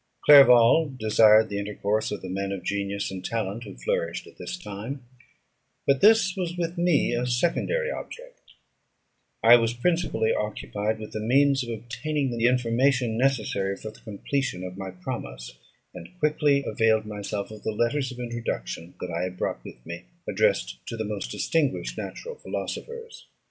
Clerval desired the intercourse of the men of genius and talent who flourished at this time; but this was with me a secondary object; I was principally occupied with the means of obtaining the information necessary for the completion of my promise, and quickly availed myself of the letters of introduction that I had brought with me, addressed to the most distinguished natural philosophers.